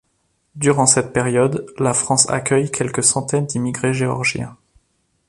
Durant cette période, la France accueille quelques centaines d’immigrés géorgiens.